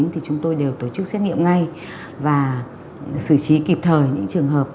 thì chúng tôi đều tổ chức xét nghiệm ngay và xử trí kịp thời những trường hợp